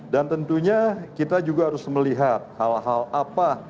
dan tentunya kita juga harus melihat hal hal apa